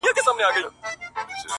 o سپوږميه کړنگ وهه راخېژه وايم؛